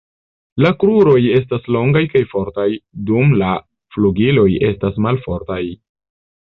La kruroj estas longaj kaj fortaj, dum la flugiloj estas malfortaj.